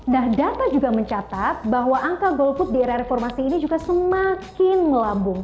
nah data juga mencatat bahwa angka golput di era reformasi ini juga semakin melambung